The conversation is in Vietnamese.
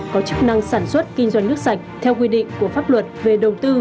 có chức năng sản xuất kinh doanh nước sạch theo quy định của pháp luật về đầu tư